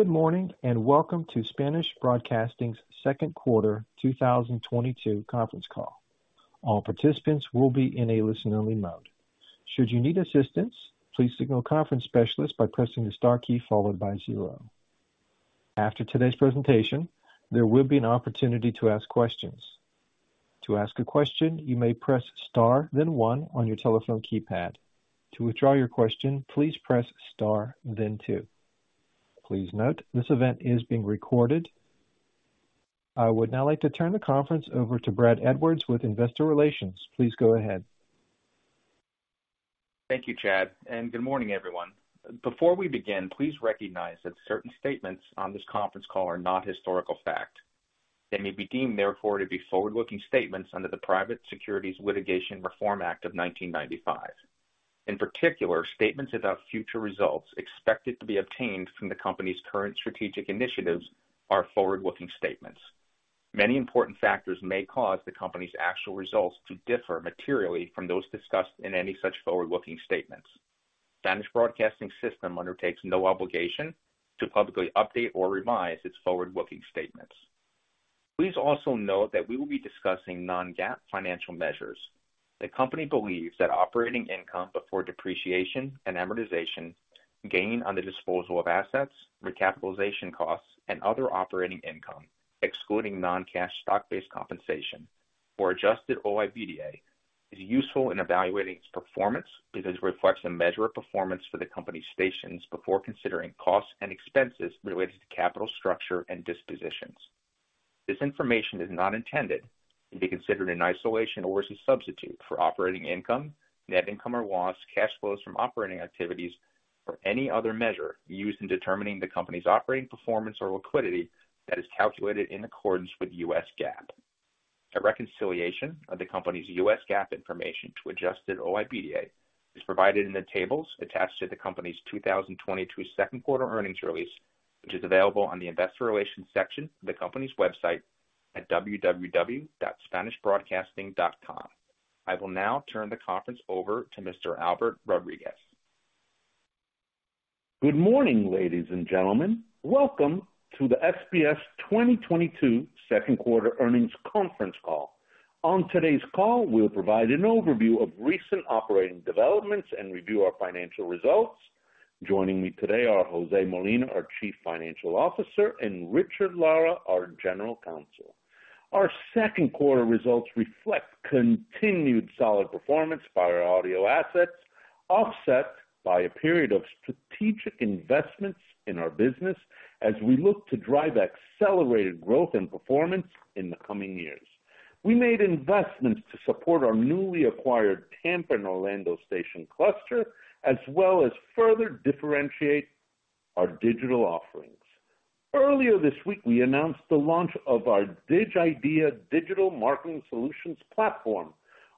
Good morning and Welcome to Spanish Broadcasting System's Q2 2022 Conference Call. All participants will be in a listen-only mode. Should you need assistance, please signal a conference specialist by pressing the star key followed by zero. After today's presentation, there will be an opportunity to ask questions. To ask a question, you may press star then one on your telephone keypad. To withdraw your question, please press star then two. Please note, this event is being recorded. I would now like to turn the conference over to Brad Edwards with Investor Relations. Please go ahead. Thank you, Chad, and good morning, everyone. Before we begin, please recognize that certain statements on this conference call are not historical fact. They may be deemed therefore to be forward-looking statements under the Private Securities Litigation Reform Act of 1995. In particular, statements about future results expected to be obtained from the company's current strategic initiatives are forward-looking statements. Many important factors may cause the company's actual results to differ materially from those discussed in any such forward-looking statements. Spanish Broadcasting System undertakes no obligation to publicly update or revise its forward-looking statements. Please also note that we will be discussing non-GAAP financial measures. The company believes that operating income before depreciation and amortization, gain on the disposal of assets, recapitalization costs, and other operating income, excluding non-cash stock-based compensation or adjusted OIBDA, is useful in evaluating its performance because it reflects a measure of performance for the company's stations before considering costs and expenses related to capital structure and dispositions. This information is not intended to be considered in isolation or as a substitute for operating income, net income or loss, cash flows from operating activities or any other measure used in determining the company's operating performance or liquidity that is calculated in accordance with U.S. GAAP. A reconciliation of the company's U.S. GAAP information to adjusted OIBDA is provided in the tables attached to the company's 2022 Q2 Earnings Release, which is available on the investor relations section of the company's website at www.spanishbroadcasting.com. I will now turn the conference over to Mr. Albert Rodriguez. Good morning, ladies and gentlemen. Welcome to the SBS 2022 Q2 Earnings Conference Call. On today's call, we'll provide an overview of recent operating developments and review our financial results. Joining me today are Jose Molina, our Chief Financial Officer, and Richard Lara, our General Counsel. Our Q2 results reflect continued solid performance by our audio assets, offset by a period of strategic investments in our business as we look to drive accelerated growth and performance in the coming years. We made investments to support our newly acquired Tampa and Orlando station cluster, as well as further differentiate our digital offerings. Earlier this week, we announced the launch of our Digidea digital marketing solutions platform,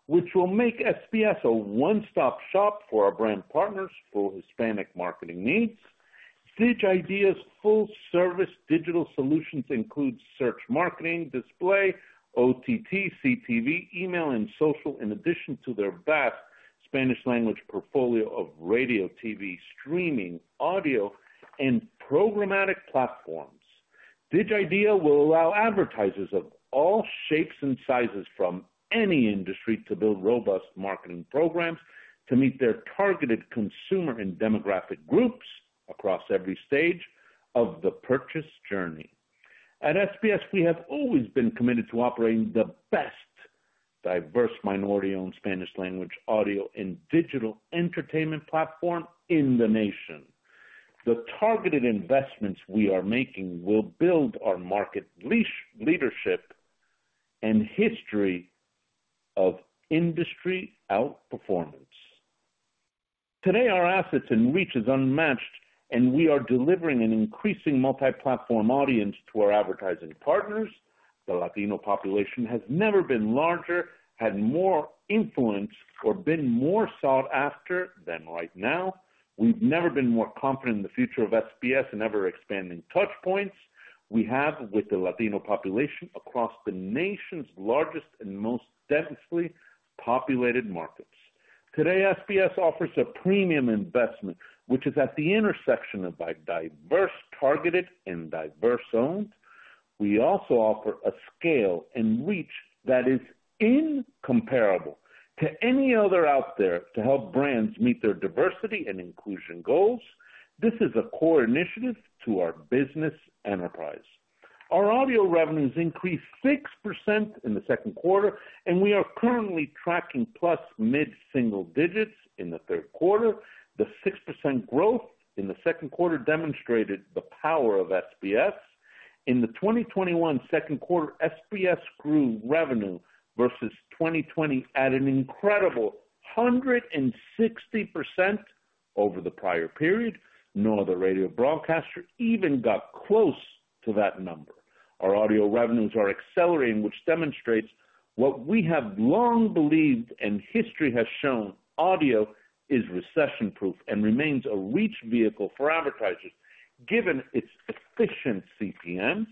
which will make SBS a one-stop shop for our brand partners for Hispanic marketing needs. Digidea's full service digital solutions includes search marketing, display, OTT, CTV, email and social, in addition to their vast Spanish language portfolio of radio, TV, streaming, audio and programmatic platforms. Digidea will allow advertisers of all shapes and sizes from any industry to build robust marketing programs to meet their targeted consumer and demographic groups across every stage of the purchase journey. At SBS, we have always been committed to operating the best diverse minority-owned Spanish language audio and digital entertainment platform in the nation. The targeted investments we are making will build our market leadership and history of industry outperformance. Today, our assets and reach is unmatched, and we are delivering an increasing multi-platform audience to our advertising partners. The Latino population has never been larger, had more influence or been more sought after than right now. We've never been more confident in the future of SBS and ever-expanding touch points we have with the Latino population across the nation's largest and most densely populated markets. Today, SBS offers a premium investment, which is at the intersection of diverse, targeted, and diverse owned. We also offer a scale and reach that is incomparable to any other out there to help brands meet their diversity and inclusion goals. This is a core initiative to our business enterprise. Our audio revenues increased 6% in the Q2, and we are currently tracking + mid-single digits in the Q3. The 6% growth in the Q2 demonstrated the power of SBS. In the 2021 Q2, SBS grew revenue versus 2020 at an incredible 160% over the prior period. No other radio broadcaster even got close to that number. Our audio revenues are accelerating, which demonstrates what we have long believed and history has shown, audio is recession-proof and remains a reach vehicle for advertisers given its efficient CPMs.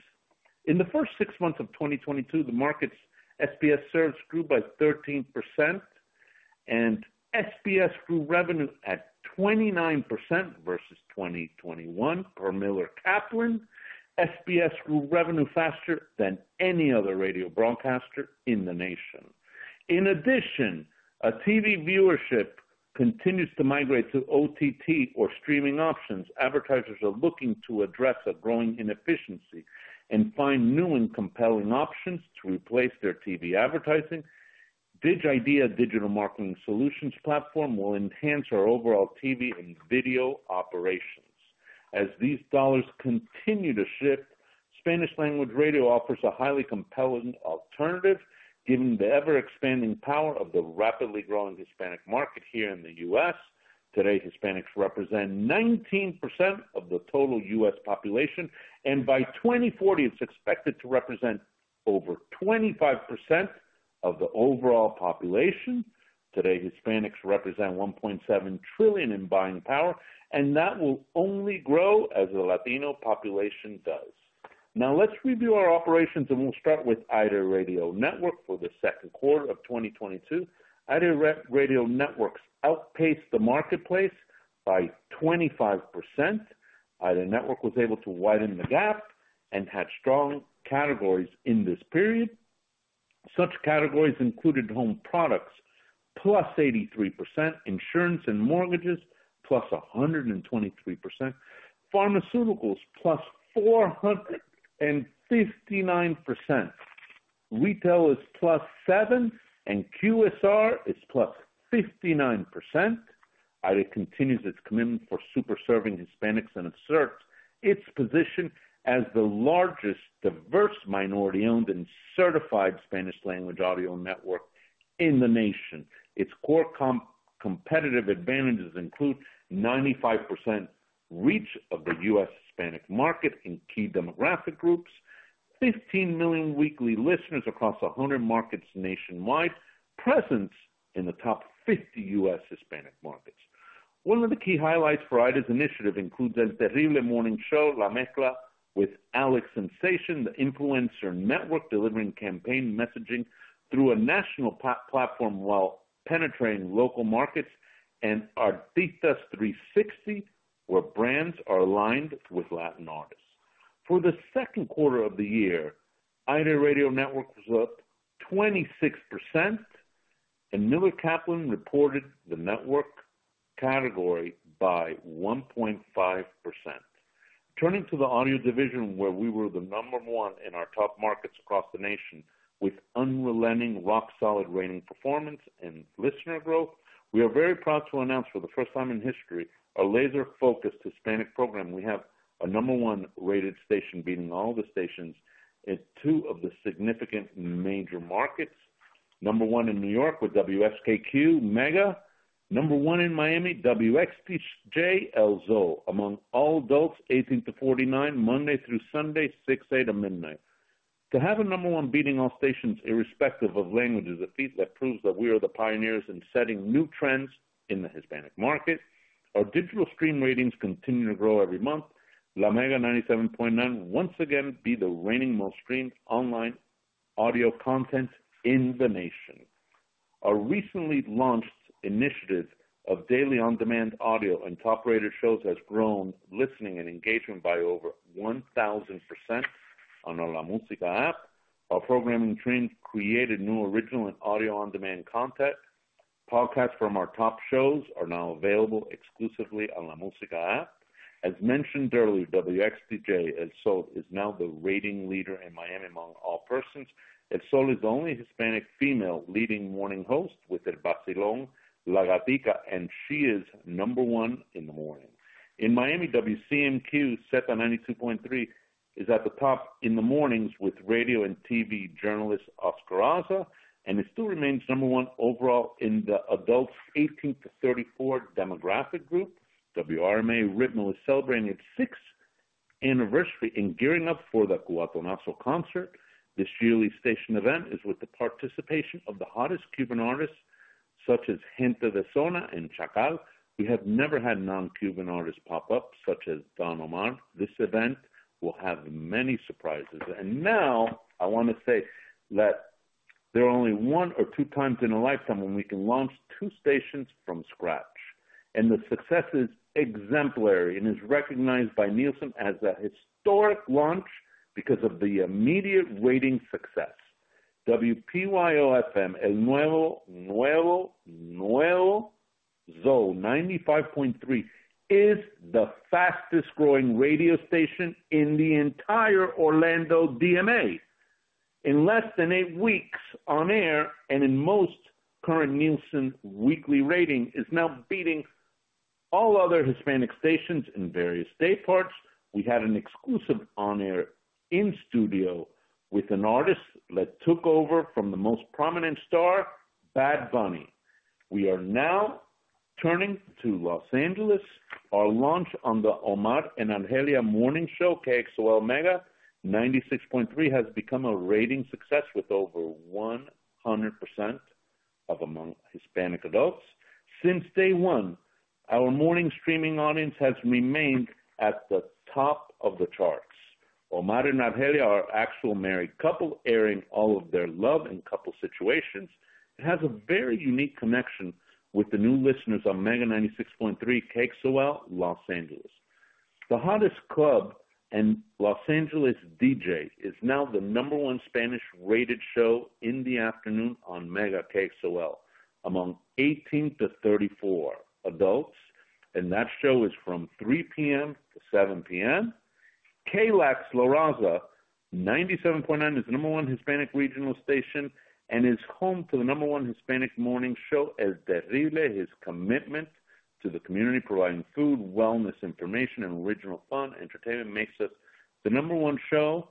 In the first six months of 2022, the markets SBS serves grew by 13%. SBS grew revenue at 29% versus 2021 per Miller Kaplan. SBS grew revenue faster than any other radio broadcaster in the nation. In addition, as TV viewership continues to migrate to OTT or streaming options, advertisers are looking to address a growing inefficiency and find new and compelling options to replace their TV advertising. Digidea digital marketing solutions platform will enhance our overall TV and video operations. As these dollars continue to shift, Spanish-language radio offers a highly compelling alternative, given the ever-expanding power of the rapidly growing Hispanic market here in the U.S. Today, Hispanics represent 19% of the total U.S. population, and by 2040, it's expected to represent over 25% of the overall population. Today, Hispanics represent $1.7 trillion in buying power, and that will only grow as the Latino population does. Now let's review our operations, and we'll start with AIRE Radio Networks for the Q2 of 2022. AIRE Radio Networks outpaced the marketplace by 25%. AIRE network was able to widen the gap and had strong categories in this period. Such categories included home products +83%, insurance and mortgages +123%, pharmaceuticals +459%. Retail is +7%, and QSR is +59%. AIRE continues its commitment for super serving Hispanics and asserts its position as the largest diverse minority-owned and certified Spanish language audio network in the nation. Its core competitive advantages include 95% reach of the U.S. Hispanic market in key demographic groups, 15 million weekly listeners across 100 markets nationwide, presence in the top 50 U.S. Hispanic markets. One of the key highlights for Aire's initiative includes El Terrible Morning Show, La Mezcla with Alex Sensation, the influencer network delivering campaign messaging through a national platform while penetrating local markets, and Artistas360, where brands are aligned with Latin artists. For the Q2 of the year, Aire Radio Network was up 26%, and Miller Kaplan reported the network category by 1.5%. Turning to the audio division, where we were the number one in our top markets across the nation with unrelenting, rock-solid rating, performance, and listener growth. We are very proud to announce for the first time in history, a laser-focused Hispanic program. We have a No. 1-rated station beating all the stations in two of the significant major markets. No. 1 in New York with WSKQ, Mega. No. 1 in Miami, WXDJ, El Zol, among all adults 18 to 49, Monday through Sunday, 6 A.M. to midnight. To have a No. 1 beating all stations irrespective of language is a feat that proves that we are the pioneers in setting new trends in the Hispanic market. Our digital stream ratings continue to grow every month. La Mega 97.9 once again is the reigning most streamed online audio content in the nation. Our recently launched initiative of daily on-demand audio and top-rated shows has grown listening and engagement by over 1,000% on our LaMusica app. Our programming team created new original and audio on-demand content. Podcasts from our top shows are now available exclusively on LaMusica app. As mentioned earlier, WXDJ El Zol is now the rating leader in Miami among all persons. El Zol is the only Hispanic female leading morning host with El Vacilón, La Gatica, and she is number one in the morning. In Miami, WCMQ, Zeta 92.3 is at the top in the mornings with radio and TV journalist Oscar Haza, and it still remains number one overall in the adults 18 to 34 demographic group. WRMA, Ritmo, is celebrating its sixth anniversary and gearing up for the Cubatonazo concert. This yearly station event is with the participation of the hottest Cuban artists, such as Gente de Zona and Chacal. We have never had non-Cuban artists pop up, such as Don Omar. This event will have many surprises. Now I wanna say that there are only one or two times in a lifetime when we can launch two stations from scratch. The success is exemplary and is recognized by Nielsen as a historic launch because of the immediate rating success. WPYO-FM, El Nuevo Zol 95.3 is the fastest-growing radio station in the entire Orlando DMA. In less than 8 weeks on air and in most current Nielsen weekly rating is now beating all other Hispanic stations in various day parts. We had an exclusive on-air in studio with an artist that took over from the most prominent star, Bad Bunny. We are now turning to Los Angeles. Our launch on the Omar Y Argelia morning show, KXOL Mega 96.3, has become a rating success with over 100% among Hispanic adults. Since day one, our morning streaming audience has remained at the top of the charts. Omar and Natalia are actual married couple airing all of their love and couple situations. It has a very unique connection with the new listeners on Mega 96.3 KXOL, Los Angeles. The hottest club and Los Angeles DJ is now the number one Spanish rated show in the afternoon on Mega KXOL among 18-34 adults, and that show is from 3:00 P.M. to 7:00 P.M. KLAX La Raza 97.9 is the number one Hispanic regional station and is home to the number one Hispanic morning show, El Terrible. His commitment to the community, providing food, wellness information and original fun entertainment makes it the number one show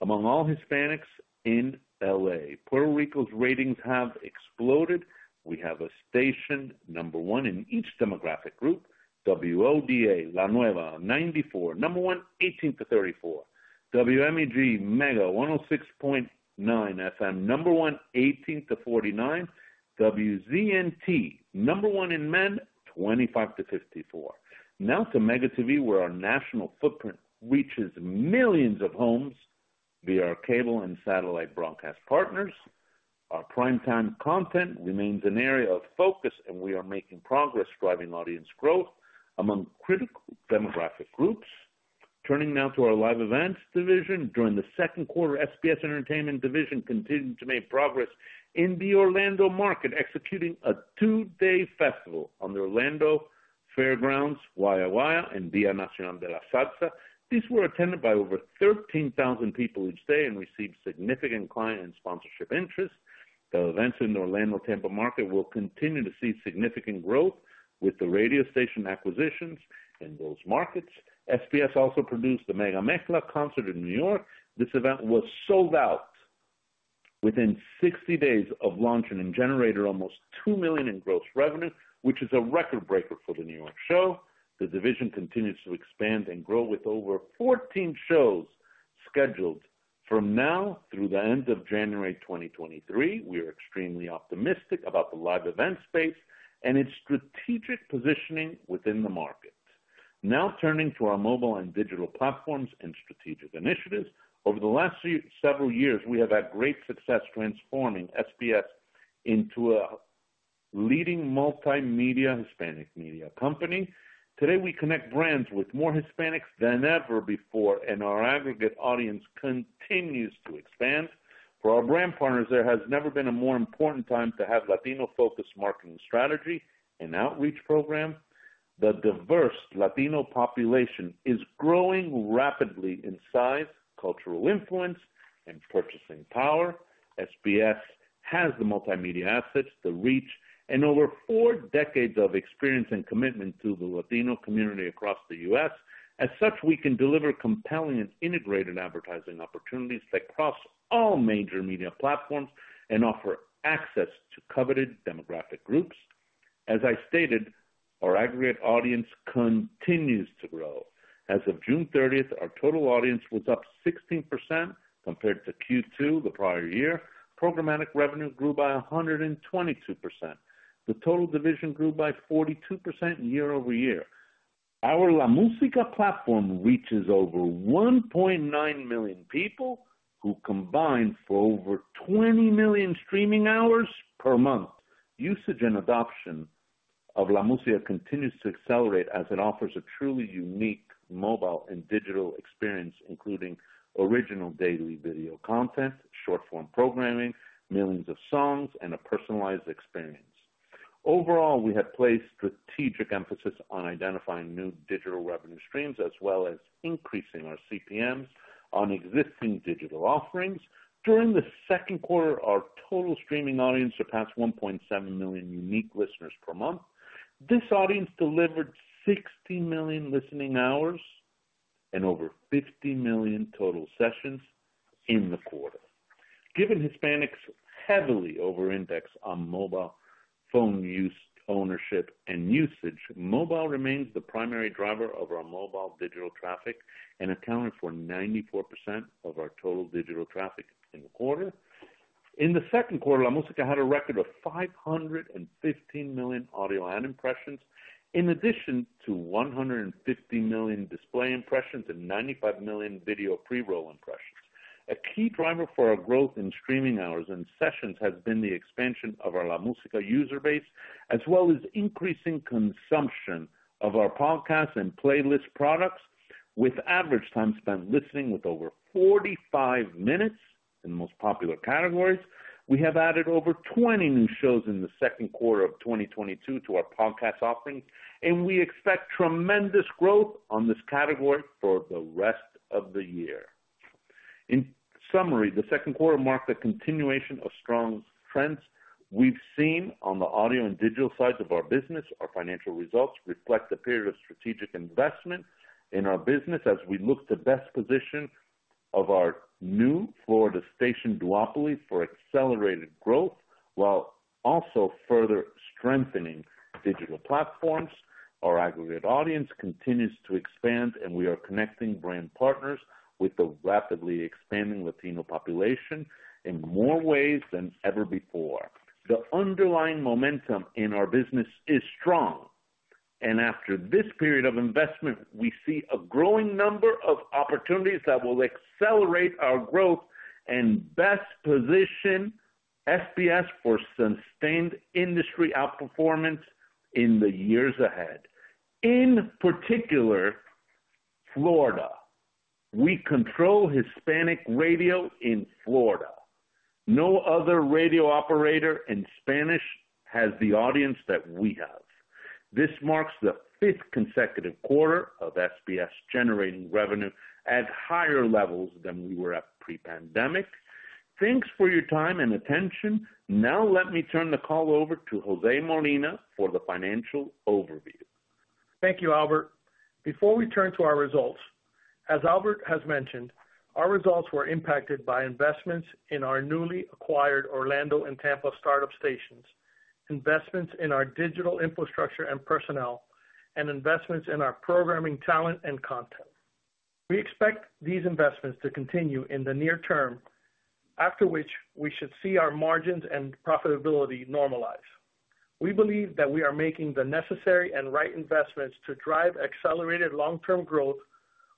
among all Hispanics in L.A. Puerto Rico's ratings have exploded. We have a station number one in each demographic group. WODA, La Nueva 94, number one, 18-34. WMEG, Mega 106.9 FM, number one, 18-49. WZNT, number one in men, 25-54. Now to Mega TV, where our national footprint reaches millions of homes via our cable and satellite broadcast partners. Our prime time content remains an area of focus, and we are making progress driving audience growth among critical demographic groups. Turning now to our live events division. During the Q2, SBS Entertainment Division continued to make progress in the Orlando market, executing a two-day festival on the Orlando Fairgrounds, Guaya Guaya and Día Nacional de la Zalsa. These were attended by over 13,000 people each day and received significant client and sponsorship interest. The events in the Orlando-Tampa market will continue to see significant growth with the radio station acquisitions in those markets. SBS also produced the Mega Mezcla concert in New York. This event was sold out within 60 days of launching and generated almost $2 million in gross revenue, which is a record breaker for the New York show. The division continues to expand and grow with over 14 shows scheduled from now through the end of January 2023. We are extremely optimistic about the live event space and its strategic positioning within the market. Now turning to our mobile and digital platforms and strategic initiatives. Over the last several years, we have had great success transforming SBS into a leading multimedia Hispanic media company. Today, we connect brands with more Hispanics than ever before, and our aggregate audience continues to expand. For our brand partners, there has never been a more important time to have Latino-focused marketing strategy and outreach program. The diverse Latino population is growing rapidly in size, cultural influence and purchasing power. SBS has the multimedia assets, the reach and over four decades of experience and commitment to the Latino community across the U.S. As such, we can deliver compelling and integrated advertising opportunities that cross all major media platforms and offer access to coveted demographic groups. As I stated, our aggregate audience continues to grow. As of June 30, our total audience was up 16% compared to Q2 the prior year. Programmatic revenue grew by 122%. The total division grew by 42% year-over-year. Our LaMusica platform reaches over 1.9 million people who combine for over 20 million streaming hours per month. Usage and adoption of LaMusica continues to accelerate as it offers a truly unique mobile and digital experience, including original daily video content, short form programming, millions of songs and a personalized experience. Overall, we have placed strategic emphasis on identifying new digital revenue streams as well as increasing our CPMs on existing digital offerings. During the Q2, our total streaming audience surpassed 1.7 million unique listeners per month. This audience delivered 60 million listening hours and over 50 million total sessions in the quarter. Given Hispanics heavily over-index on mobile phone use, ownership and usage, mobile remains the primary driver of our mobile digital traffic and accounted for 94% of our total digital traffic in the quarter. In the Q2, LaMusica had a record of 515 million audio ad impressions, in addition to 150 million display impressions and 95 million video pre-roll impressions. A key driver for our growth in streaming hours and sessions has been the expansion of our LaMusica user base, as well as increasing consumption of our podcasts and playlist products, with average time spent listening with over 45 minutes in the most popular categories. We have added over 20 new shows in the Q2 of 2022 to our podcast offerings, and we expect tremendous growth on this category for the rest of the year. In summary, the Q2 marked a continuation of strong trends we've seen on the audio and digital sides of our business. Our financial results reflect a period of strategic investment in our business as we look to best position our new Florida station duopoly for accelerated growth, while also further strengthening digital platforms. Our aggregate audience continues to expand, and we are connecting brand partners with the rapidly expanding Latino population in more ways than ever before. The underlying momentum in our business is strong, and after this period of investment, we see a growing number of opportunities that will accelerate our growth and best position SBS for sustained industry outperformance in the years ahead. In particular, Florida. We control Hispanic radio in Florida. No other radio operator in Spanish has the audience that we have. This marks the fifth consecutive quarter of SBS generating revenue at higher levels than we were at pre-pandemic. Thanks for your time and attention. Now let me turn the call over to José Molina for the financial overview. Thank you, Albert. Before we turn to our results, as Albert has mentioned, our results were impacted by investments in our newly acquired Orlando and Tampa startup stations, investments in our digital infrastructure and personnel, and investments in our programming, talent, and content. We expect these investments to continue in the near term, after which we should see our margins and profitability normalize. We believe that we are making the necessary and right investments to drive accelerated long-term growth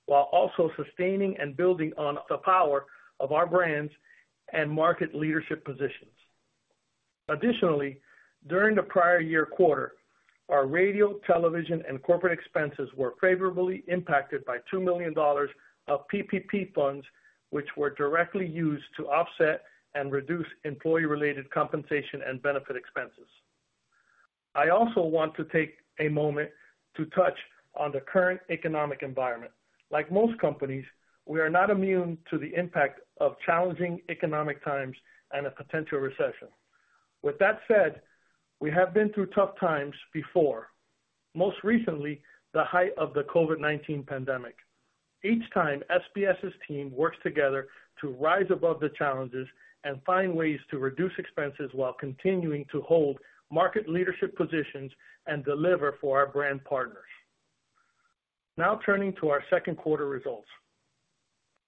while also sustaining and building on the power of our brands and market leadership positions. Additionally, during the prior year quarter, our radio, television, and corporate expenses were favorably impacted by $2 million of PPP funds, which were directly used to offset and reduce employee related compensation and benefit expenses. I also want to take a moment to touch on the current economic environment. Like most companies, we are not immune to the impact of challenging economic times and a potential recession. With that said, we have been through tough times before, most recently, the height of the COVID-19 pandemic. Each time, SBS's team works together to rise above the challenges and find ways to reduce expenses while continuing to hold market leadership positions and deliver for our brand partners. Now turning to our Q2 results.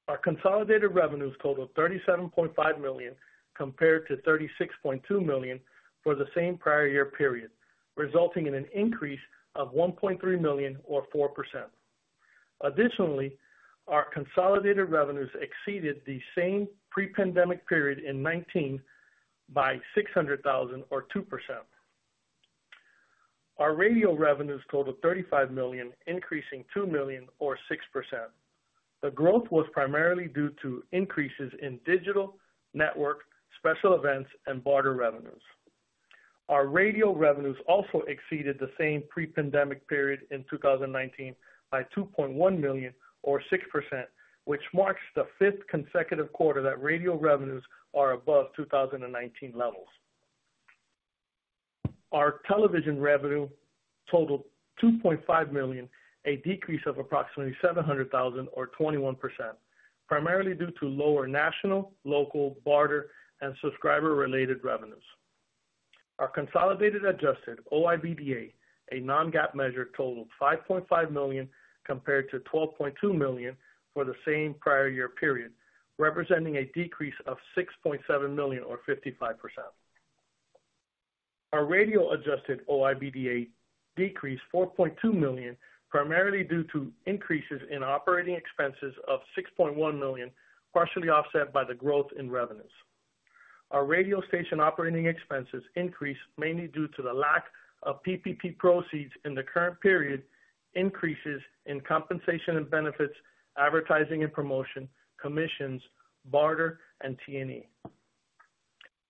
Our consolidated revenues totaled $37.5 million, compared to $36.2 million for the same prior year period, resulting in an increase of $1.3 million or 4%. Additionally, our consolidated revenues exceeded the same pre-pandemic period in 2019 by $600,000 or 2%. Our radio revenues totaled $35 million, increasing $2 million or 6%. The growth was primarily due to increases in digital, network, special events, and barter revenues. Our radio revenues also exceeded the same pre-pandemic period in 2019 by $2.1 million or 6%, which marks the fifth consecutive quarter that radio revenues are above 2019 levels. Our television revenue totaled $2.5 million, a decrease of approximately $700,000 or 21%, primarily due to lower national, local, barter, and subscriber related revenues. Our consolidated adjusted OIBDA, a non-GAAP measure, totaled $5.5 million compared to $12.2 million for the same prior year period, representing a decrease of $6.7 million or 55%. Our radio adjusted OIBDA decreased $4.2 million, primarily due to increases in operating expenses of $6.1 million, partially offset by the growth in revenues. Our radio station operating expenses increased mainly due to the lack of PPP proceeds in the current period, increases in compensation and benefits, advertising and promotion, commissions, barter, and T&E.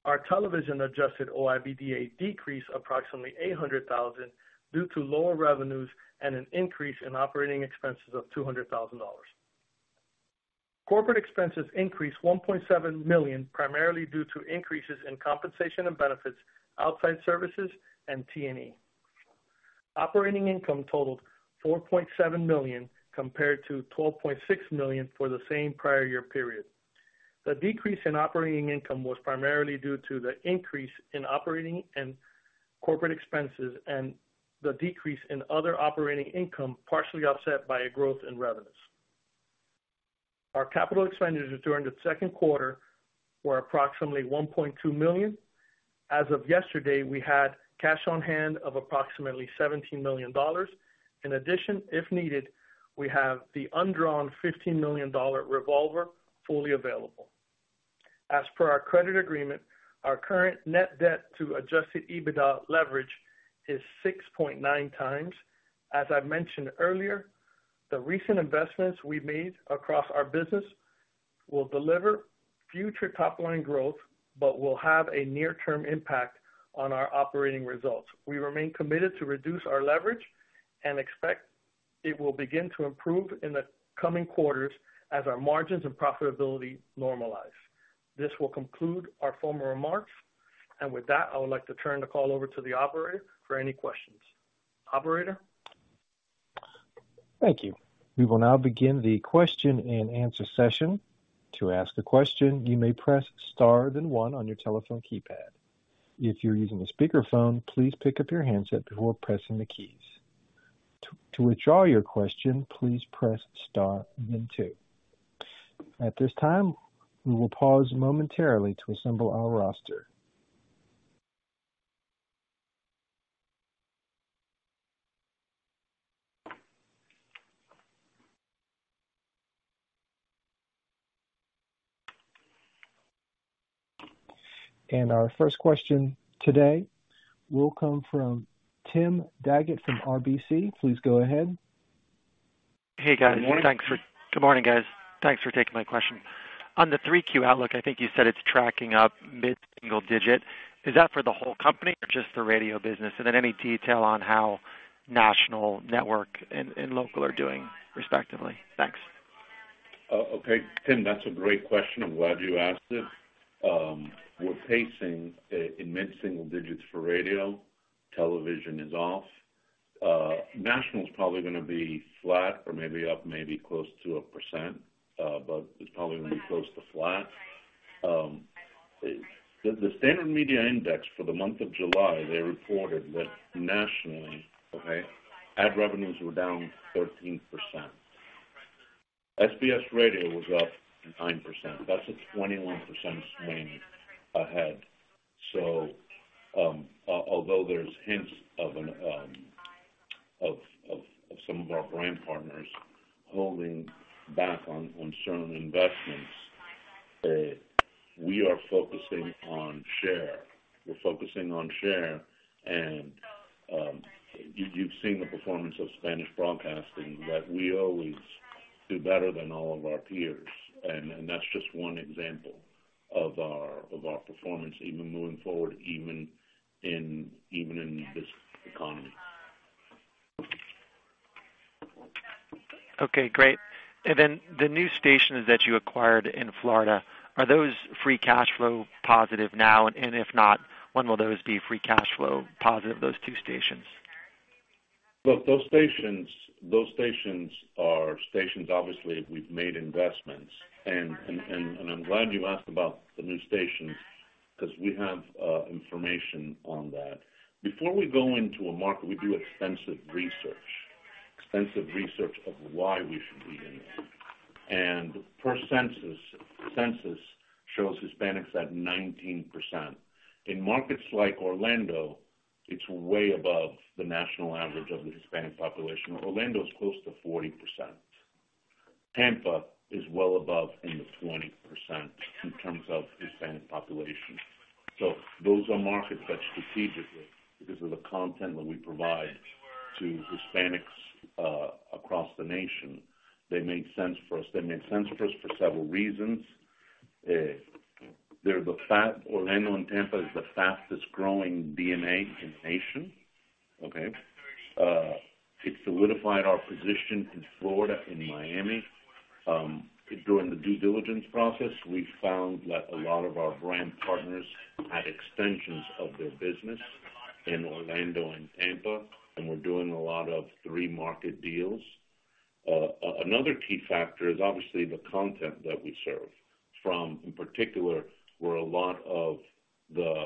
Our television Adjusted OIBDA decreased approximately $800,000 due to lower revenues and an increase in operating expenses of $200,000. Corporate expenses increased $1.7 million, primarily due to increases in compensation and benefits, outside services, and T&E. Operating income totaled $4.7 million compared to $12.6 million for the same prior year period. The decrease in operating income was primarily due to the increase in operating and corporate expenses and the decrease in other operating income, partially offset by a growth in revenues. Our capital expenditures during the Q2 were approximately $1.2 million. As of yesterday, we had cash on hand of approximately $17 million. In addition, if needed, we have the undrawn $15 million revolver fully available. As per our credit agreement, our current net debt to Adjusted EBITDA leverage is 6.9 times. As I mentioned earlier, the recent investments we've made across our business will deliver future top line growth, but will have a near-term impact on our operating results. We remain committed to reduce our leverage and expect it will begin to improve in the coming quarters as our margins and profitability normalize. This will conclude our formal remarks. With that, I would like to turn the call over to the operator for any questions. Operator? Thank you. We will now begin the question-and-answer session. To ask a question, you may press star then one on your telephone keypad. If you're using a speakerphone, please pick up your handset before pressing the keys. To withdraw your question, please press star then two. At this time, we will pause momentarily to assemble our roster. Our first question today will come from Tim Daggett from RBC. Please go ahead. Hey, guys. Good morning. Good morning, guys. Thanks for taking my question. On the Q3 outlook, I think you said it's tracking up mid-single digit. Is that for the whole company or just the radio business? Then any detail on how national network and local are doing respectively? Thanks. Tim, that's a great question. I'm glad you asked it. We're pacing in mid-single digits for radio. Television is off. National is probably gonna be flat or maybe up, maybe close to 1%, but it's probably gonna be close to flat. The Standard Media Index for the month of July reported that nationally ad revenues were down 13%. SBS Radio was up 9%. That's a 21% swing ahead. Although there's hints of some of our brand partners holding back on certain investments, we are focusing on share. We're focusing on share. You've seen the performance of Spanish Broadcasting that we always do better than all of our peers. That's just one example of our performance even moving forward, even in this economy. Okay, great. Then the new stations that you acquired in Florida, are those free cash flow positive now? If not, when will those be free cash flow positive, those two stations? Look, those stations are stations, obviously. We've made investments. I'm glad you asked about the new stations because we have information on that. Before we go into a market, we do extensive research of why we should be in it. Per census shows Hispanics at 19%. In markets like Orlando, it's way above the national average of the Hispanic population. Orlando is close to 40%. Tampa is well above in the 20% in terms of Hispanic population. Those are markets that strategically, because of the content that we provide to Hispanics across the nation, they make sense for us. They make sense for us for several reasons. They're Orlando and Tampa is the fastest-growing DMA in the nation. Okay. It solidified our position in Florida and Miami. During the due diligence process, we found that a lot of our brand partners had extensions of their business in Orlando and Tampa, and we're doing a lot of three-market deals. Another key factor is obviously the content that we serve from, in particular, where a lot of the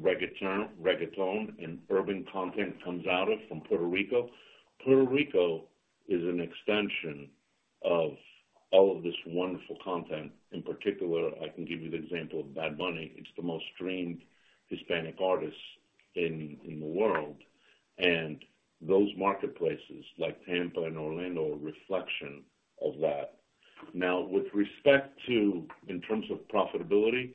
reggaeton and urban content comes out of, from Puerto Rico. Puerto Rico is an extension of all of this wonderful content. In particular, I can give you the example of Bad Bunny. He's the most streamed Hispanic artist in the world. Those marketplaces like Tampa and Orlando are a reflection of that. Now, with respect to, in terms of profitability,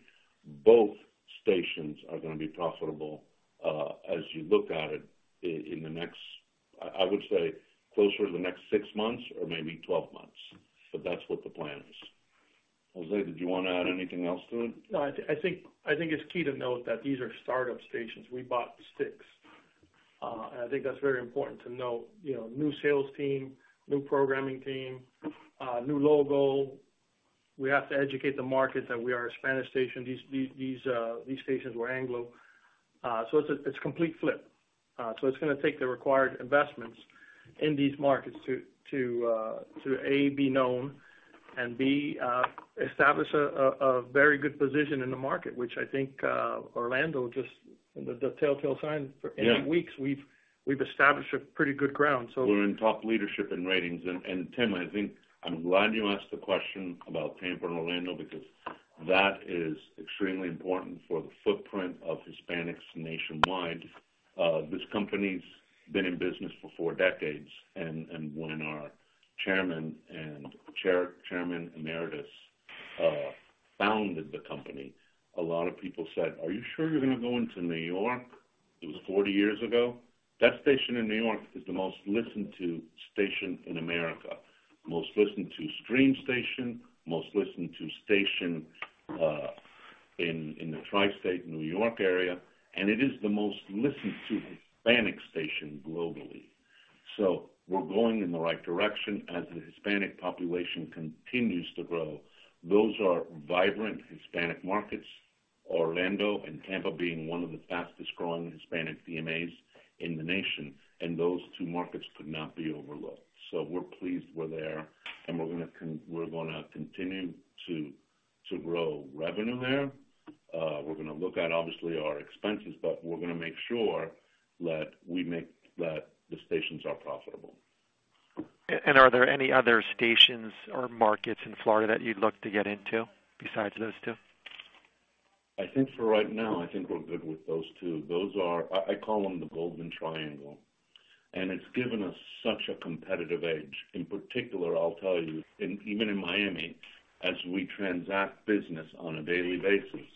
both stations are gonna be profitable, as you look at it in the next, I would say, closer to the next six months or maybe 12 months. That's what the plan is. José, did you want to add anything else to it? No. I think it's key to note that these are startup stations. We bought sticks. I think that's very important to know, you know, new sales team, new programming team, new logo. We have to educate the market that we are a Spanish station. These stations were Anglo. It's a complete flip. It's gonna take the required investments in these markets to A, be known, and B, establish a very good position in the market, which I think Orlando just the telltale sign. Yeah. For eight weeks, we've established a pretty good ground. We're in top leadership in ratings. Tim, I think I'm glad you asked the question about Tampa and Orlando because that is extremely important for the footprint of Hispanics nationwide. This company's been in business for four decades, when our chairman and chairman emeritus founded the company, a lot of people said, "Are you sure you're gonna go into New York?" It was 40 years ago. That station in New York is the most listened to station in America. Most listened to stream station, most listened to station in the tri-state New York area, and it is the most listened to Hispanic station globally. We're going in the right direction as the Hispanic population continues to grow. Those are vibrant Hispanic markets. Orlando and Tampa being one of the fastest growing Hispanic DMAs in the nation, and those two markets could not be overlooked. We're pleased we're there, and we're gonna continue to grow revenue there. We're gonna look at, obviously, our expenses, but we're gonna make sure that the stations are profitable. Are there any other stations or markets in Florida that you'd look to get into besides those two? I think for right now, I think we're good with those two. Those are I call them the Golden Triangle, and it's given us such a competitive edge. In particular, I'll tell you, in even in Miami, as we transact business on a daily basis,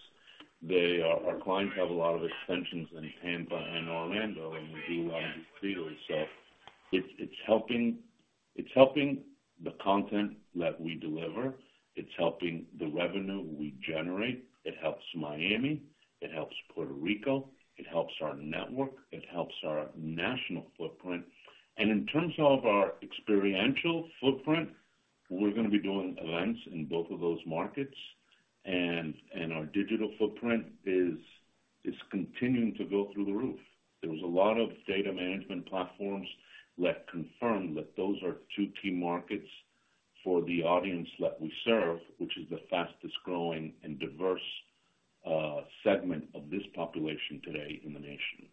they, our clients have a lot of extensions in Tampa and Orlando, and we do a lot of this freely. So it's helping the content that we deliver. It's helping the revenue we generate. It helps Miami. It helps Puerto Rico. It helps our network. It helps our national footprint. In terms of our experiential footprint, we're gonna be doing events in both of those markets. And our digital footprint is continuing to go through the roof. There was a lot of data management platforms that confirm that those are two key markets for the audience that we serve, which is the fastest growing and diverse segment of this population today in the nation.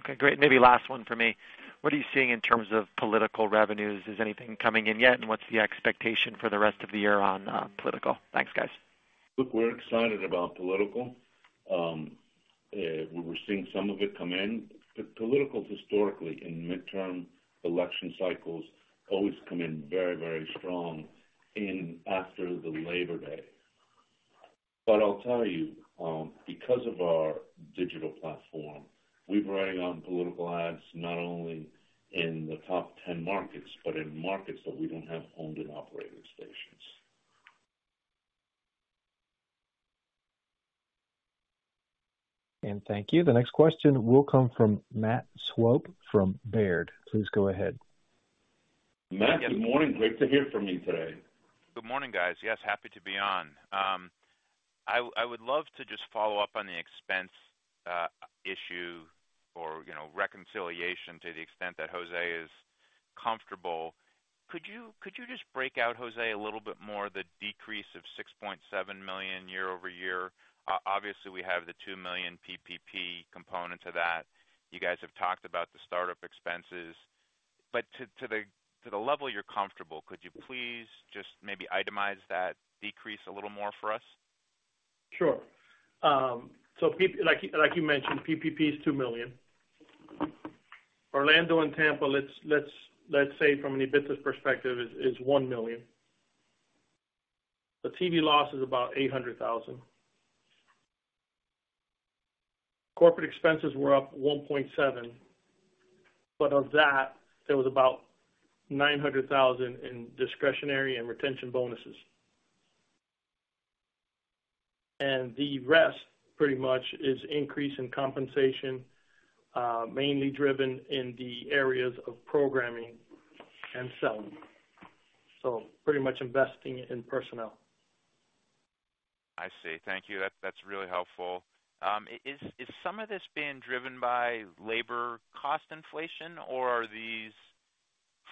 Okay, great. Maybe last one for me. What are you seeing in terms of political revenues? Is anything coming in yet? What's the expectation for the rest of the year on political? Thanks, guys. Look, we're excited about political. We were seeing some of it come in. Political historically in midterm election cycles always come in very, very strong in after the Labor Day. I'll tell you, because of our digital platform, we're riding on political ads, not only in the top 10 markets, but in markets that we don't have owned and operated stations. Thank you. The next question will come from Matt Swope from Baird. Please go ahead. Matt, good morning. Great to hear from you today. Good morning, guys. Yes, happy to be on. I would love to just follow up on the expense issue or, you know, reconciliation to the extent that José is comfortable. Could you just break out, José, a little bit more the decrease of $6.7 million year-over-year? Obviously, we have the $2 million PPP component to that. You guys have talked about the startup expenses. To the level you're comfortable, could you please just maybe itemize that decrease a little more for us? Sure. Like you mentioned, PPP is $2 million. Orlando and Tampa, let's say from an EBITDA perspective is $1 million. The TV loss is about $800,000. Corporate expenses were up $1.7 million, but of that there was about $900,000 in discretionary and retention bonuses. The rest pretty much is increase in compensation, mainly driven in the areas of programming and selling. Pretty much investing in personnel. I see. Thank you. That's really helpful. Is some of this being driven by labor cost inflation or are these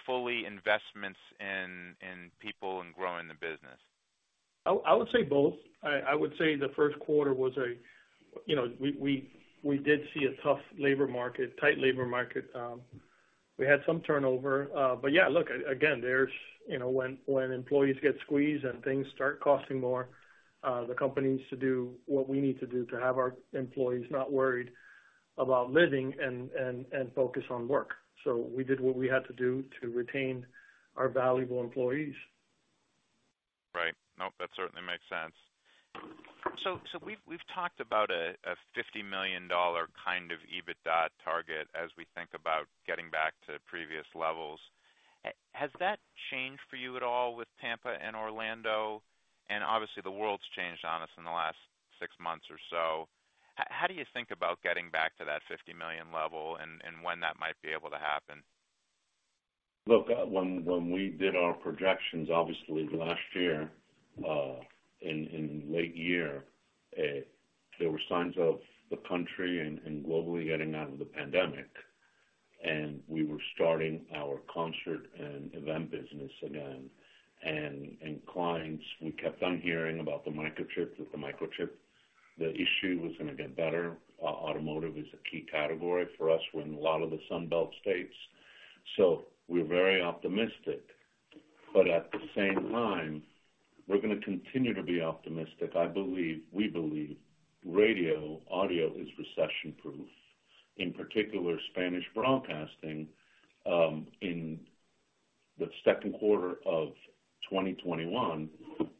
fully investments in people and growing the business? I would say both. I would say the Q1 we did see a tough labor market, tight labor market. We had some turnover. Yeah, look, again, you know, when employees get squeezed and things start costing more, the company needs to do what we need to do to have our employees not worried about living and focus on work. We did what we had to do to retain our valuable employees. Right. Nope. That certainly makes sense. We've talked about a $50 million kind of EBITDA target as we think about getting back to previous levels. Has that changed for you at all with Tampa and Orlando? Obviously, the world's changed on us in the last six months or so. How do you think about getting back to that $50 million level and when that might be able to happen? Look, when we did our projections, obviously last year, in late year, there were signs of the country and globally getting out of the pandemic, and we were starting our concert and event business again. Clients, we kept on hearing about the microchip that the microchip issue was gonna get better. Automotive is a key category for us. We're in a lot of the Sun Belt states, so we're very optimistic. At the same time, we're gonna continue to be optimistic. We believe radio, audio is recession-proof. In particular, Spanish broadcasting, in the Q2 of 2021,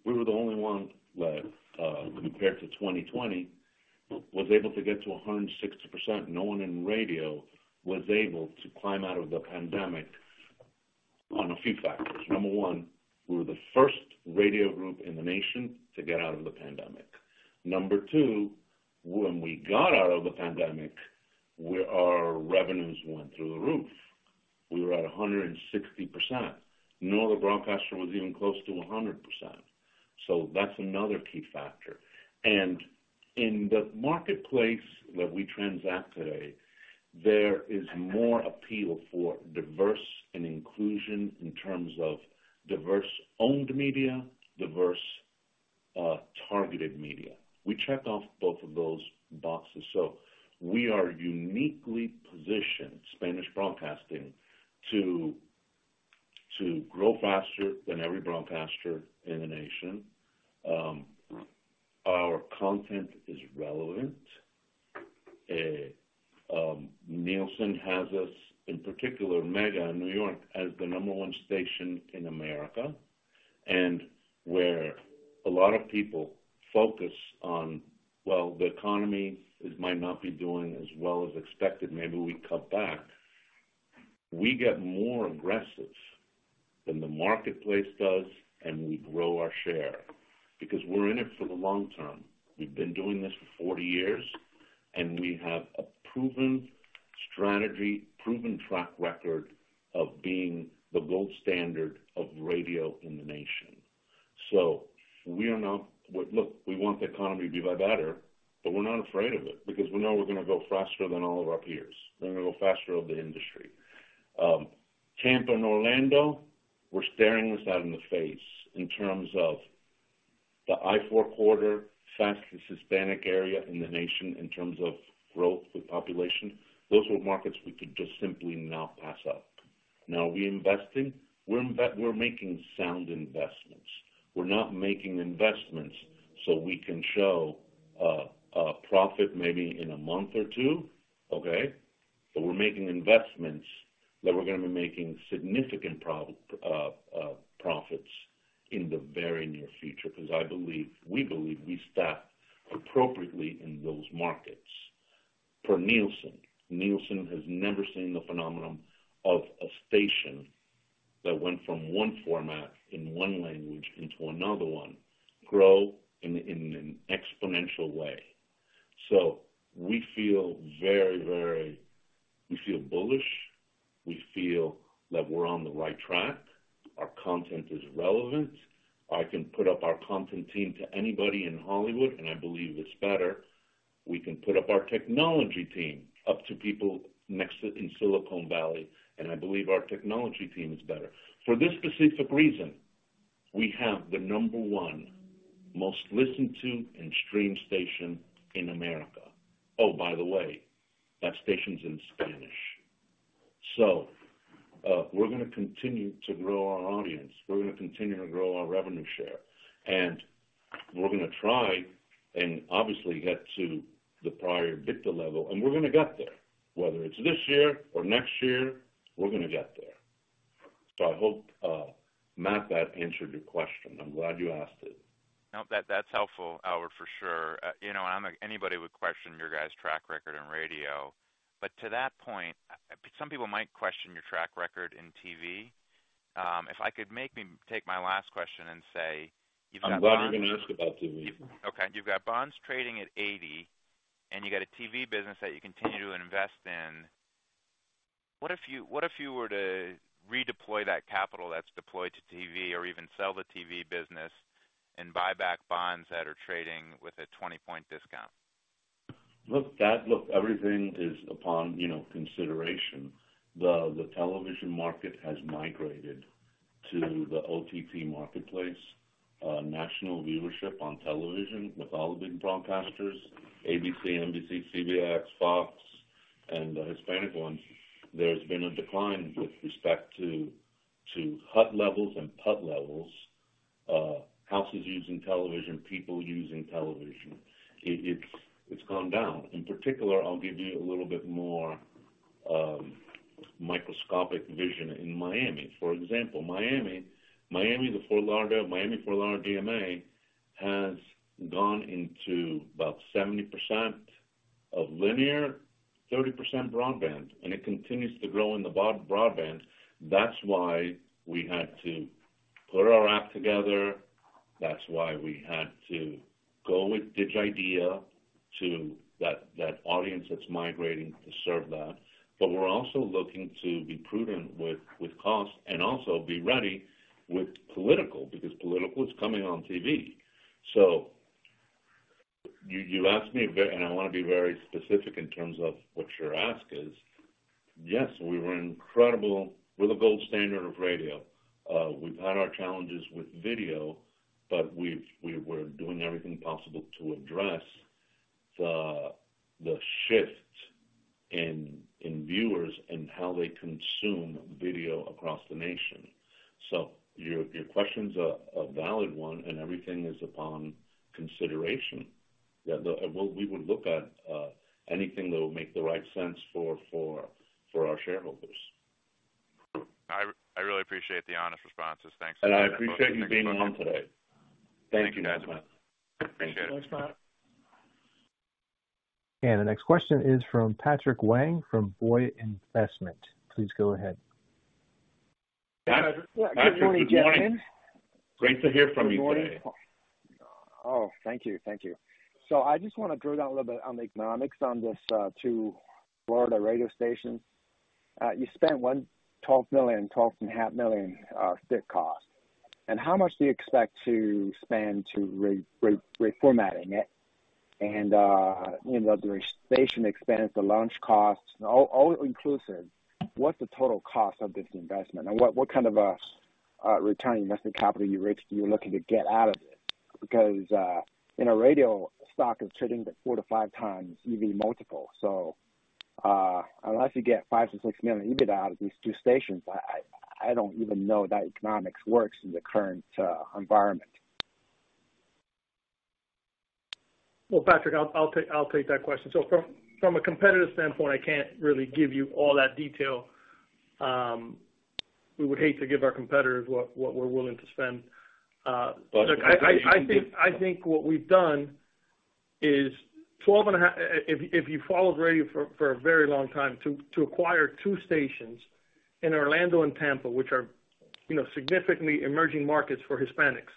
we were the only one that, compared to 2020, was able to get to 160%. No one in radio was able to climb out of the pandemic on a few factors. Number one, we were the first radio group in the nation to get out of the pandemic. Number two, when we got out of the pandemic, our revenues went through the roof. We were at 160%. No other broadcaster was even close to 100%. That's another key factor. In the marketplace where we transact today, there is more appeal for diversity and inclusion in terms of diversity-owned media, diverse targeted media. We checked off both of those boxes. We are uniquely positioned, Spanish Broadcasting, to grow faster than every broadcaster in the nation. Our content is relevant. Nielsen has us, in particular Mega in New York, as the number one station in America. Where a lot of people focus on, well, the economy might not be doing as well as expected, maybe we cut back. We get more aggressive than the marketplace does, and we grow our share because we're in it for the long term. We've been doing this for 40 years, and we have a proven strategy, proven track record of being the gold standard of radio in the nation. We are not. We. Look, we want the economy to be better, but we're not afraid of it because we know we're gonna grow faster than all of our peers. We're gonna grow faster than the industry. Tampa and Orlando, we're staring it in the face in terms of the I-4 corridor fastest Hispanic area in the nation in terms of growth with population. Those were markets we could just simply not pass up. Now, we investing. We're making sound investments. We're not making investments so we can show a profit maybe in a month or two, okay? We're making investments that we're gonna be making significant profits in the very near future because I believe, we believe we staff appropriately in those markets. Per Nielsen has never seen the phenomenon of a station that went from one format in one language into another one grow in an exponential way. We feel very, very. We feel bullish. We feel that we're on the right track. Our content is relevant. I can put up our content team to anybody in Hollywood, and I believe it's better. We can put up our technology team up to people in Silicon Valley, and I believe our technology team is better. For this specific reason, we have the number one most listened to and streamed station in America. Oh, by the way, that station's in Spanish. We're gonna continue to grow our audience. We're gonna continue to grow our revenue share. We're gonna try and obviously get to the prior EBITDA level, and we're gonna get there. Whether it's this year or next year, we're gonna get there. I hope, Matt, that answered your question. I'm glad you asked it. No. That's helpful, Albert, for sure. You know, anybody would question your guys' track record in radio. To that point, some people might question your track record in TV. If I could make me take my last question and say you've got bonds- I'm glad you're gonna ask about TV. Okay. You've got bonds trading at 80, and you got a TV business that you continue to invest in. What if you were to redeploy that capital that's deployed to TV or even sell the TV business and buy back bonds that are trading with a 20-point discount? Look, everything is upon, you know, consideration. The television market has migrated to the OTT marketplace, national viewership on television with all the big broadcasters, ABC, NBC, CBS, Fox, and the Hispanic ones. There's been a decline with respect to HUT levels and PUT levels, houses using television, people using television. It's gone down. In particular, I'll give you a little bit more microscopic vision in Miami. For example, Miami, the Fort Lauderdale, Miami Fort Lauderdale DMA has gone into about 70% linear, 30% broadband, and it continues to grow in the broadband. That's why we had to put our act together. That's why we had to go with Digidea to that audience that's migrating to serve that. We're also looking to be prudent with cost and also be ready with political, because political is coming on TV. You asked me and I wanna be very specific in terms of what your ask is. Yes, we were incredible. We're the gold standard of radio. We've had our challenges with video, but we're doing everything possible to address the shift in viewers and how they consume video across the nation. Your question's a valid one, and everything is upon consideration. Yeah, we would look at anything that will make the right sense for our shareholders. I really appreciate the honest responses. Thanks for. I appreciate you being on today. Thank you, guys. Thank you. Appreciate it. Thanks, Matt. The next question is from Patrick Wang from Voya Investment. Please go ahead. Patrick, good morning. Yeah. Good morning, gentlemen. Great to hear from you today. Good morning. Thank you. I just want to drill down a little bit on the economics on these two Florida radio stations. You spent $12 million, $12.5 million fixed cost. How much do you expect to spend to reformatting it? You know, the station expense, the launch costs, all inclusive, what's the total cost of this investment? What kind of a return invested capital you're actually looking to get out of it? Because, you know, radio stock is trading at 4-5x EV multiple. Unless you get $5 million-$6 million EBIT out of these two stations, I don't even know that economics works in the current environment. Well, Patrick, I'll take that question. From a competitive standpoint, I can't really give you all that detail. We would hate to give our competitors what we're willing to spend. Look, I think what we've done is, if you've followed radio for a very long time, to acquire 2 stations in Orlando and Tampa, which are, you know, significantly emerging markets for Hispanics.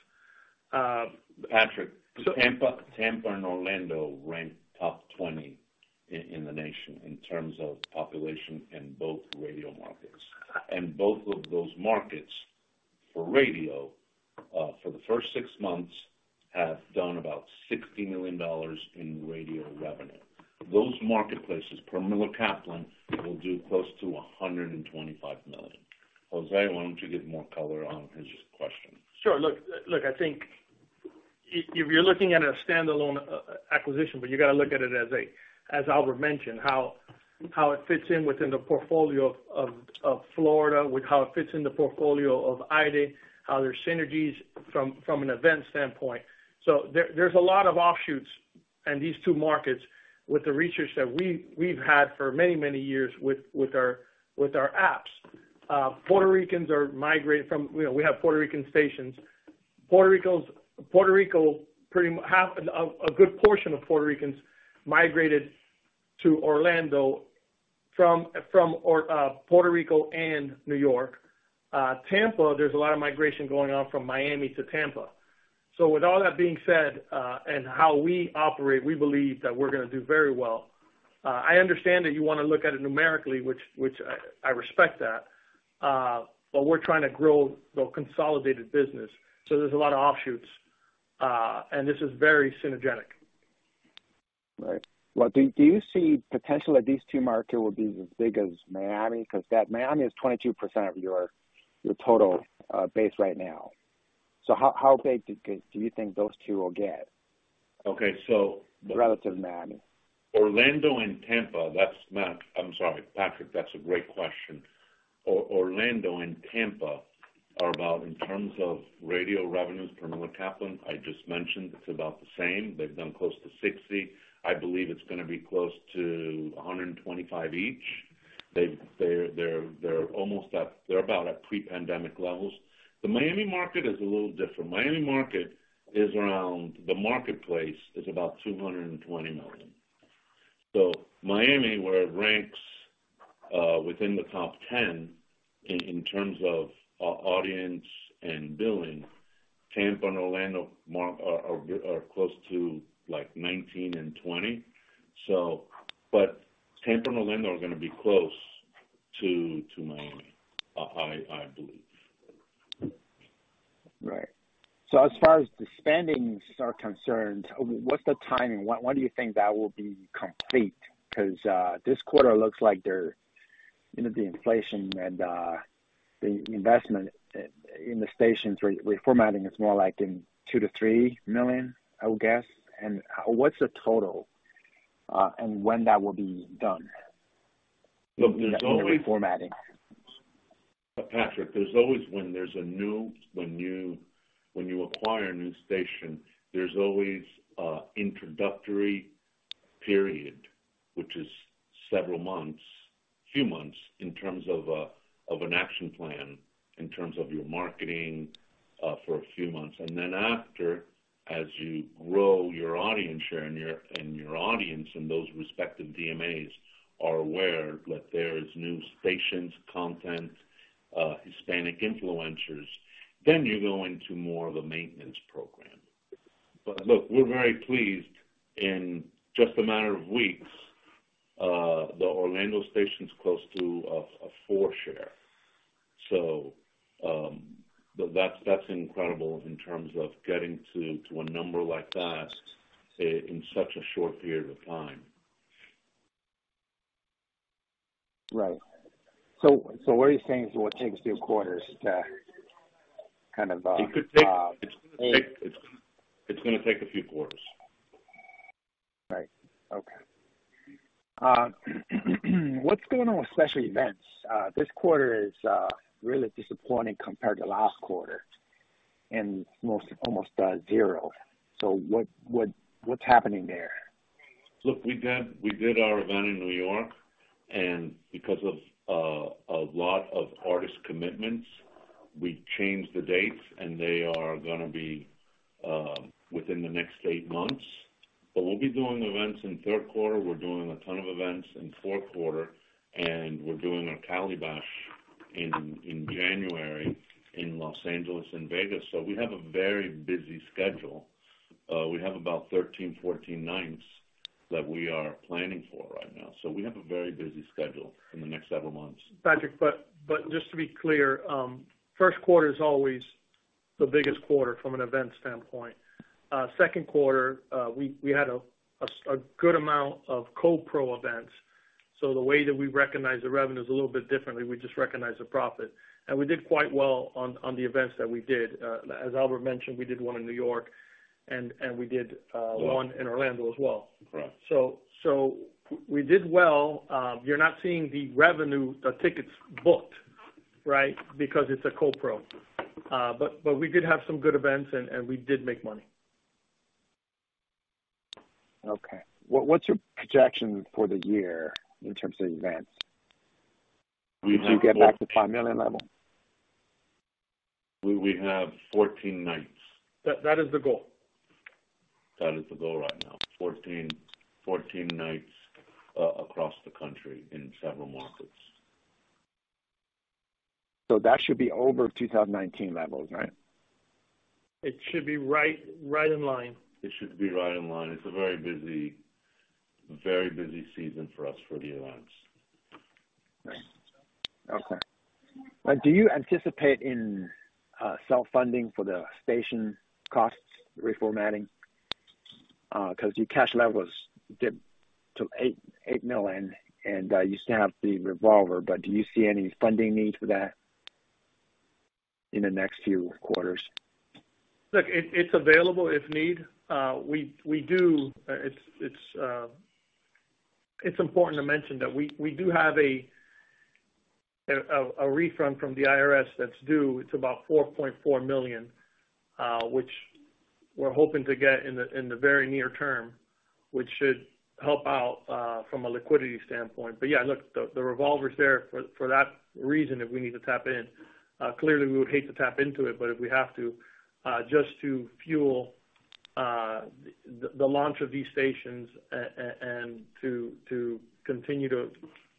Patrick- So- Tampa and Orlando rank top 20 in the nation in terms of population in both radio markets. Both of those markets for radio, for the first 6 months, have done about $60 million in radio revenue. Those marketplaces per Miller Kaplan will do close to $125 million. Jose, why don't you give more color on his question? Sure. Look, I think if you're looking at a standalone acquisition, but you gotta look at it as Albert mentioned, how it fits within the portfolio of Florida, with how it fits in the portfolio of SBS, how there's synergies from an event standpoint. There's a lot of offshoots in these two markets with the research that we've had for many years with our apps. Puerto Ricans are migrating from. You know, we have Puerto Rican stations. Puerto Rico pretty much half of a good portion of Puerto Ricans migrated to Orlando from Puerto Rico and New York. Tampa, there's a lot of migration going on from Miami to Tampa. With all that being said, and how we operate, we believe that we're gonna do very well. I understand that you wanna look at it numerically, which I respect that, but we're trying to grow the consolidated business, so there's a lot of offshoots. This is very synergetic. Right. Well, do you see potential that these two markets will be as big as Miami? Because that Miami is 22% of your total base right now. How big do you think those two will get? Okay. Relative to Miami. I'm sorry, Patrick, that's a great question. Orlando and Tampa are about, in terms of radio revenues from Miller Kaplan, I just mentioned, it's about the same. They've done close to $60 million. I believe it's gonna be close to $125 million each. They're almost at pre-pandemic levels. The Miami market is a little different. The Miami market is around $220 million. Miami, where it ranks within the top 10 in terms of audience and billing, Tampa and Orlando markets are close to, like, 19 and 20. But Tampa and Orlando are gonna be close to Miami, I believe. Right. As far as the spending is concerned, what's the timing? When do you think that will be complete? Because this quarter looks like they're, you know, the inflation and the investment in the stations reformatting is more like in $2 million-$3 million, I would guess. What's the total, and when that will be done? Look, there's always. The reformatting. Patrick, when you acquire a new station, there's always a introductory period, which is several months, in terms of an action plan, in terms of your marketing, for a few months. Then after, as you grow your audience share and your audience and those respective DMAs are aware that there is new stations, content, Hispanic influencers, then you go into more of a maintenance program. Look, we're very pleased in just a matter of weeks, the Orlando station's close to a 4-share. That's incredible in terms of getting to a number like that in such a short period of time. Right. What you're saying is what takes 2 quarters to kind of It's gonna take a few quarters. Right. Okay. What's going on with special events? This quarter is really disappointing compared to last quarter, and almost zero. What's happening there? Look, we did our event in New York, and because of a lot of artist commitments, we changed the dates and they are gonna be within the next eight months. We'll be doing events in Q3. We're doing a ton of events in Q4, and we're doing our Calibash in January in Los Angeles and Vegas. We have a very busy schedule. We have about 13, 14 nights that we are planning for right now. We have a very busy schedule in the next several months. Patrick, just to be clear, Q1 is always the biggest quarter from an event standpoint. Q2, we had a good amount of co-pro events. The way that we recognize the revenue is a little bit differently. We just recognize the profit. We did quite well on the events that we did. As Albert mentioned, we did one in New York and we did one in Orlando as well. Right. We did well. You're not seeing the revenue, the tickets booked, right? Because it's a co-pro. We did have some good events and we did make money. Okay. What's your projection for the year in terms of events? We have. Did you get back to $5 million level? We have 14 nights. That is the goal. That is the goal right now. 14 nights across the country in several markets. that should be over 2019 levels, right? It should be right in line. It should be right in line. It's a very busy season for us for the events. Right. Okay. Do you anticipate in self funding for the station costs reformatting? 'Cause your cash levels dip to $8 million, and you still have the revolver. Do you see any funding needs for that in the next few quarters? Look, it's available if needed. It's important to mention that we do have a refund from the IRS that's due. It's about $4.4 million, which we're hoping to get in the very near term, which should help out from a liquidity standpoint. Yeah, look, the revolver is there for that reason if we need to tap in. Clearly, we would hate to tap into it, but if we have to, just to fuel the launch of these stations and to continue to,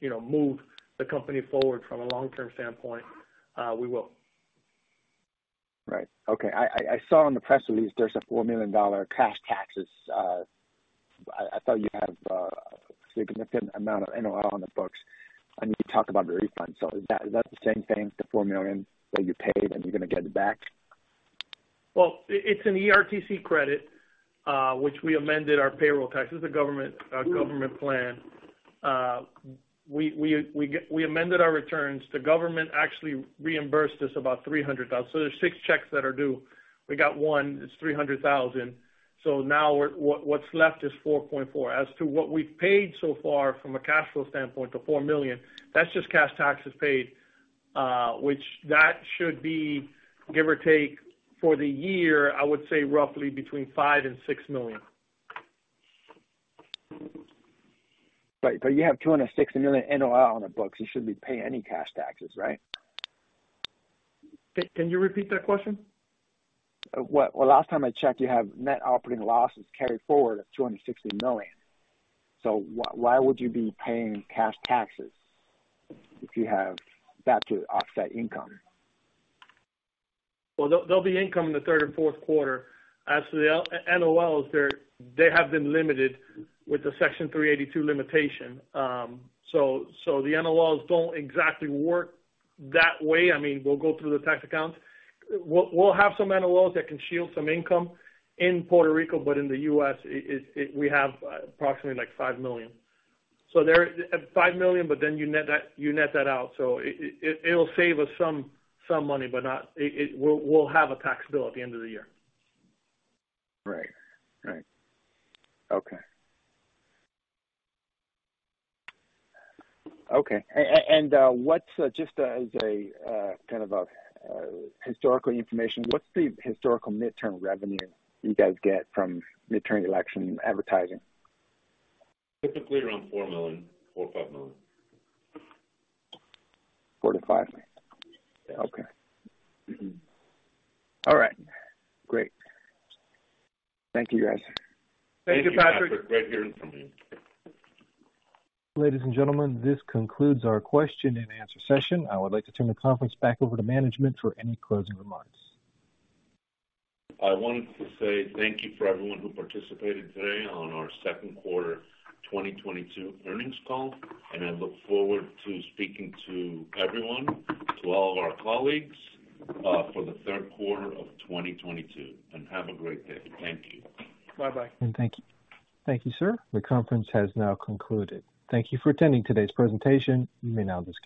you know, move the company forward from a long-term standpoint, we will. Right. Okay. I saw in the press release there's $4 million cash taxes. I thought you had a significant amount of NOL on the books, and you talked about the refund. Is that the same thing, the $4 million that you paid and you're gonna get it back? Well, it's an ERTC credit, which we amended our payroll tax. This is a government plan. We amended our returns. The government actually reimbursed us about $300,000. So there's 6 checks that are due. We got one, it's $300,000. So now what's left is $4.4 million. As to what we've paid so far from a cash flow standpoint, the $4 million, that's just cash taxes paid, which that should be, give or take, for the year, I would say roughly between $5 million and $6 million. Right. You have $260 million NOL on the books. You shouldn't be paying any cash taxes, right? Can you repeat that question? What? Well, last time I checked, you have net operating losses carried forward of $260 million. Why would you be paying cash taxes if you have that to offset income? Well, there'll be income in the Q3 and Q4. As to the NOLs, they have been limited with the Section 382 limitation. The NOLs don't exactly work that way. I mean, we'll go through the tax accounts. We'll have some NOLs that can shield some income in Puerto Rico, but in the U.S., we have approximately like $5 million. $5 million, but then you net that out. It'll save us some money, but not. It. We'll have a tax bill at the end of the year. Right. Okay. What's just as a kind of historical information, what's the historical midterm revenue you guys get from midterm election advertising? Typically around $4 million, $4 or $5 million. $4 million-$5 million. Yeah. Okay. Mm-hmm. All right. Great. Thank you, guys. Thank you, Patrick. Thank you, Patrick. Great hearing from you. Ladies and gentlemen, this concludes our Q&A session. I would like to turn the conference back over to management for any closing remarks. I wanted to say thank you for everyone who participated today on our Q2 2022 Earnings Call. I look forward to speaking to everyone, to all of our colleagues, for the Q3 of 2022. Have a great day. Thank you. Bye-bye. Thank you. Thank you, sir. The conference has now concluded. Thank you for attending today's presentation. You may now disconnect.